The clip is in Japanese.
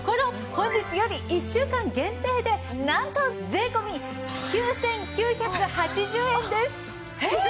本日より１週間限定でなんと税込９９８０円です！えっ！？